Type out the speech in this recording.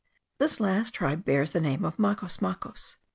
This last tribe bears the name of Macos Macos.